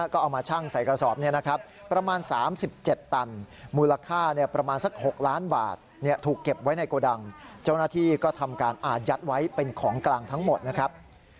ก็เอามาชั่งใส่กระสอบนี้นะครับ